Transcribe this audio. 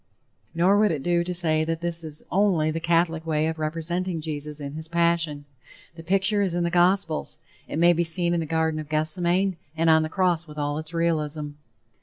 Nor would it do to say that this is only the Catholic way of representing Jesus in his passion. The picture is in the gospels, it may be seen in the Garden of Gethsemane and on the cross with all its realism.